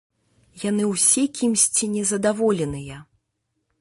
Яны ўсе кімсьці незадаволеныя.